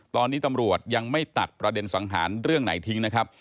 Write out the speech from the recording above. ตอนนี้ตำรวจยังไม่ตัดประเด็นสังหารเรื่องไหนทิ้งนะครับ